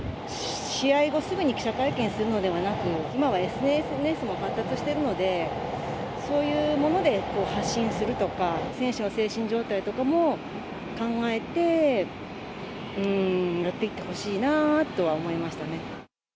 試合後、すぐに記者会見するのではなく、今はＳＮＳも発達しているので、そういうもので発信するとか、選手の精神状態とかも考えてやっていってほしいなぁとは思いましたね。